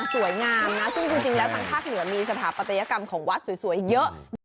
สวยงามนะซึ่งจริงแล้วทางภาคเหนือมีสถาปัตยกรรมของวัดสวยเยอะ